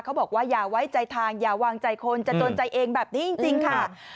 บอกว่าอย่าไว้ใจทางอย่าวางใจคนจะโดนใจเองแบบนี้จริงค่ะ